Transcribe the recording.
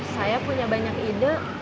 saya punya banyak ide